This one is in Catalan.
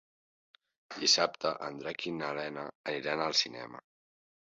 Dissabte en Drac i na Lena aniran al cinema.